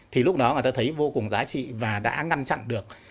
thì lúc đó người ta thấy vô cùng giá trị và đã ngăn chặn được